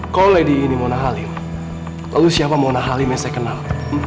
koladi ini mona halim lalu siapa mona halim yang saya kenal